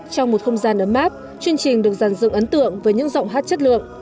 trong một không gian ấm áp chương trình được giàn dựng ấn tượng với những giọng hát chất lượng